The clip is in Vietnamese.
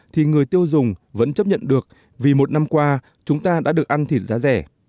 thì người tiêu dùng vẫn chấp nhận được vì một năm qua chúng ta đã được ăn thịt giá rẻ